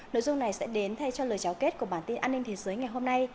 nội dung này sẽ đến thay cho lời cháo kết của bản tin an ninh thế giới ngày hôm nay